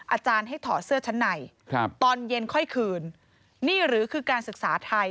อาจารย์ให้ถอดเสื้อชั้นในตอนเย็นค่อยคืนนี่หรือคือการศึกษาไทย